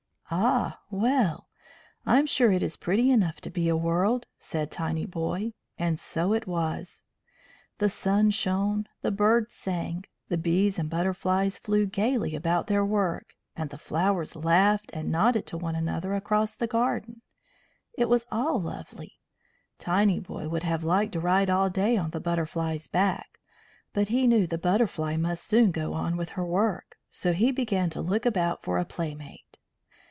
"Ah, well. I'm sure it is pretty enough to be a world," said Tinyboy; and so it was. The sun shone, the birds sang, the bees and butterflies flew gaily about their work, and the flowers laughed and nodded to one another across the garden. It was all lovely; Tinyboy would have liked to ride all day on the Butterfly's back. But he knew the Butterfly must soon go on with her work, so he began to look about for a playmate.